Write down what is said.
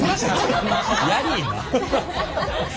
やりいな！